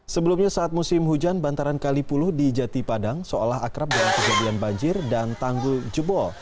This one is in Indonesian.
sebelumnya saat musim hujan bantaran kali puluh di jati padang seolah akrab dengan kejadian banjir dan tanggul jebol